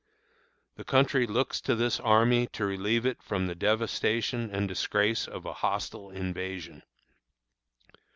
The country looks to this army to relieve it from the devastation and disgrace of a hostile invasion.